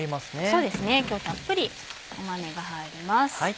そうですね今日たっぷり豆が入ります。